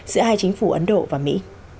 giữa hai chính phủ ấn độ và mỹ